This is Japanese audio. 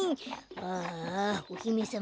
ああおひめさま